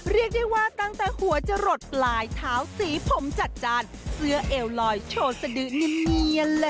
เรียกได้ว่าตั้งแต่หัวจะหลดปลายเท้าสีผมจัดจานเสื้อเอวลอยโชว์สดือเนียนเลย